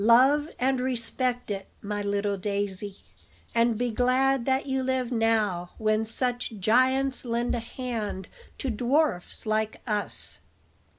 Love and respect it, my little Daisy, and be glad that you live now when such giants lend a hand to dwarfs like us."